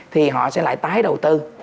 thì họ sẽ lại tái đầu tư